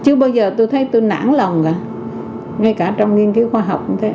chưa bao giờ tôi thấy tôi nản lòng cả ngay cả trong nghiên cứu khoa học cũng thế